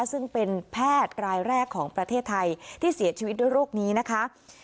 ซึ่งเป็นแพทย์รายแรกของประเทศไทยที่เสียชีวิตด้วยโรคนี้นะคะ